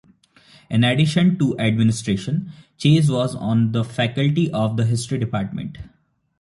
In addition to administration, Chase was on the faculty of the history department.